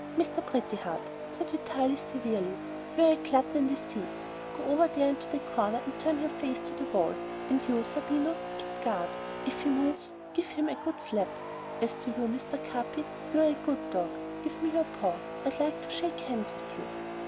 "] "Mr. Pretty Heart," said Vitalis severely, "you are a glutton and a thief; go over there into the corner and turn your face to the wall, and you, Zerbino, keep guard: if he moves give him a good slap. As to you, Mr. Capi, you are a good dog, give me your paw. I'd like to shake hands with you."